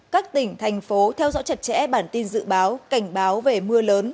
các tỉnh thành phố theo dõi chặt chẽ bản tin dự báo cảnh báo về mưa lớn